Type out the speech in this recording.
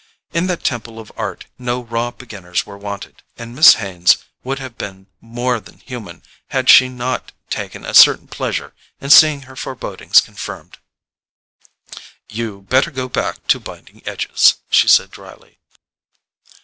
In that temple of art no raw beginners were wanted, and Miss Haines would have been more than human had she not taken a certain pleasure in seeing her forebodings confirmed. "You'd better go back to binding edges," she said drily.